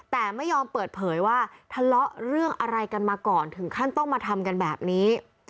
แต่ไม่ยอมเปิดเผยว่าทะเลาะเรื่องอะไรกันมาก่อนถึงขั้นต้องมาทำกันแบบนี้